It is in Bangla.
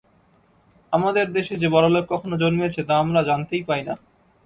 আমাদের দেশে যে বড়লোক কখনও জন্মেছে, তা আমরা জানতেই পাই না।